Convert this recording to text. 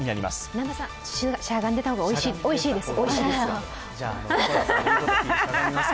南波さん、しゃがんでいた方がおいしいですよ。